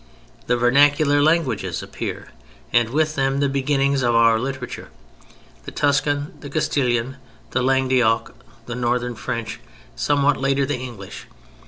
The vernacular languages appear, and with them the beginnings of our literature: the Tuscan, the Castilian, the Langue d'Oc, the Northern French, somewhat later the English.